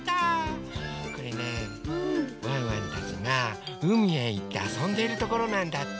これねワンワンたちがうみへいってあそんでいるところなんだって。